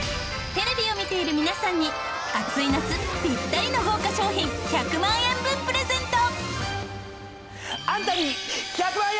テレビを見ている皆さんに暑い夏ピッタリの豪華賞品１００万円分プレゼント！